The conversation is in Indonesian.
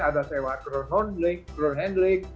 ada sewa drone handling